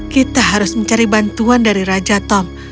kita harus mencari bantuan dari raja tom